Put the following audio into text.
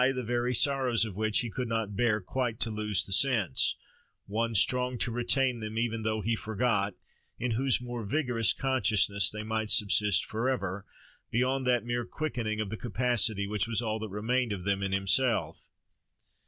the very sorrows of which he could not bear quite to lose the sense:—one strong to retain them even though he forgot, in whose more vigorous consciousness they might subsist for ever, beyond that mere quickening of capacity which was all that remained of them in himself!